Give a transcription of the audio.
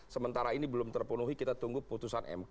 sementara ini belum terpenuhi kita tunggu putusan mk